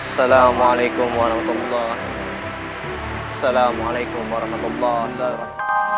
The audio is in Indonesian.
assalamualaikum warahmatullahi wabarakatuh